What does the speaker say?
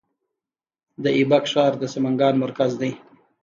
د ایبک ښار د سمنګان مرکز دی